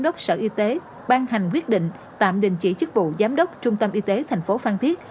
đốc sở y tế ban hành quyết định tạm đình chỉ chức vụ giám đốc trung tâm y tế thành phố phan thiết